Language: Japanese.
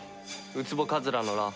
ウツボカズラの「ラ」